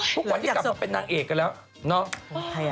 ทุกวันนี้กลับมาเป็นนางเอกกันแล้วเนาะ